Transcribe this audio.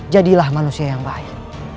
jadilah manusia yang baik